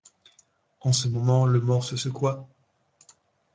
En ce moment, le mort se secoua.